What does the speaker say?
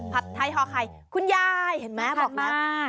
ผัดไทยหอไข่คุณยายเห็นไหมบอกแล้ว